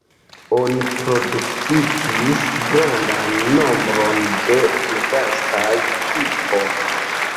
Oni produktis grandan nombron de diversaj tipoj.